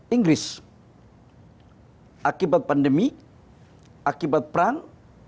inggris akibat pandemi akibat perang